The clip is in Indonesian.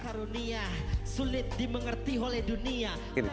karunia sulit dimengerti oleh dunia